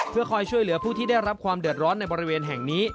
เพื่อคอยช่วยเหลือผู้ที่ได้รับความเดือดร้อนในบริเวณแห่งนี้